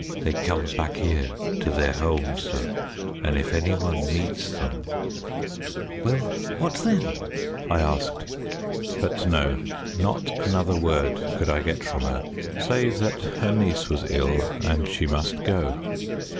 "They comes back here to their home, sir, and if any one meets them " "Well, what then?" I asked. But no not another word could I get from her, save that her niece was ill and she must go.